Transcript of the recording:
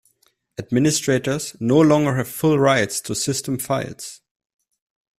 Administrators no longer have full rights to system files.